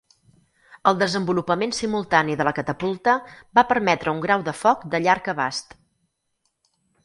El desenvolupament simultani de la catapulta va permetre un grau de foc de llarg abast.